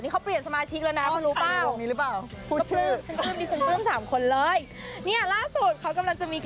ได้ไปสัมผัสตัวเป็นแฟนของหนุ่ม